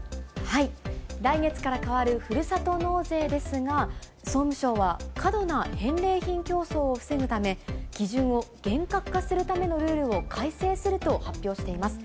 来月から変わるふるさと納税ですが、総務省は過度な返礼品競争を防ぐため、基準を厳格化するためのルールを改正すると発表しています。